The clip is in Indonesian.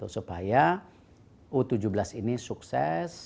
supaya u tujuh belas ini sukses